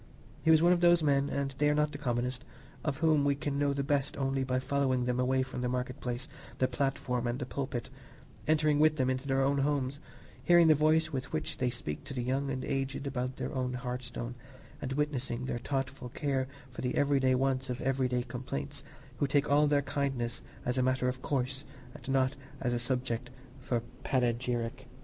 He was one of those men, and they are not the commonest, of whom we can know the best only by following them away from the marketplace, the platform, and the pulpit, entering with them into their own homes, hearing the voice with which they speak to the young and aged about their own hearthstone, and witnessing their thoughtful care for the everyday wants of everyday companions, who take all their kindness as a matter of course, and not as a subject for panegyric.